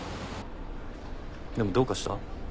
でもどうかした？